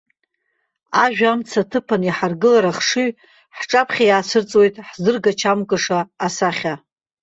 Ажәа амца аҭыԥан иҳаргылар ахшыҩ, ҳҿаԥхьа иаацәырҵуеит ҳзыргачамкыша асахьа.